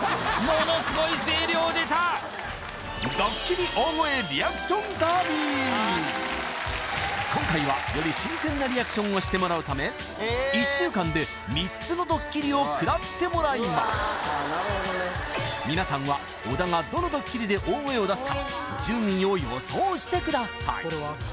ものすごい声量でた今回はより新鮮なリアクションをしてもらうため１週間で３つのドッキリを食らってもらいますみなさんは小田がどのドッキリで大声を出すか順位を予想してください